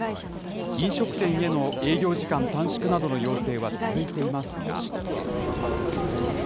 飲食店への営業時間短縮などの要請は続いていますが。